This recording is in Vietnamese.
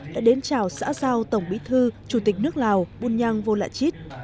đã đến chào xã giao tổng bí thư chủ tịch nước lào bùn nhang vô lạ chít